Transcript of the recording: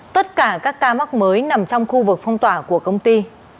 tất cả các ca mắc mới nằm trong khu vực phong tỏa của công ty